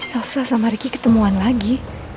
elsa sama riki ketemuan lagi